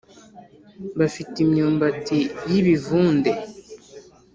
Bafite imyumbati y'ibivunde